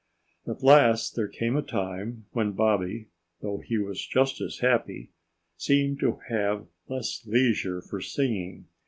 At last there came a time when Bobby though he was just as happy seemed to have less leisure for singing.